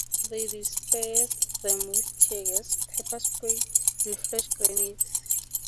They dispersed them with tear gas, pepper spray, and flash grenades.